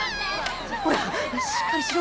ほらしっかりしろ。